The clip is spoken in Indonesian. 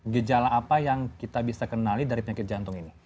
gejala apa yang kita bisa kenali dari penyakit jantung ini